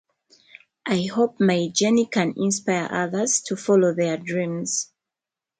I hope my journey can inspire others to follow their dreams.